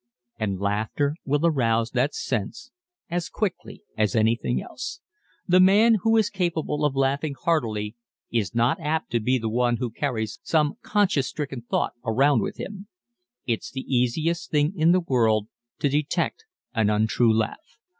And laughter will arouse that sense as quickly as anything else. The man who is capable of laughing heartily is not apt to be the one who carries some conscience stricken thought around with him. It is the easiest thing in the world to detect an untrue laugh.